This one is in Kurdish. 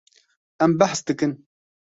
Em behs dikin.